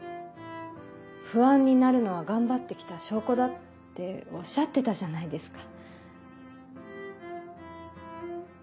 不安になるのは頑張って来た証拠だっておっしゃってたじゃないですか。